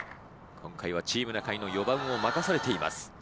今回はチーム中居の４番を任されています。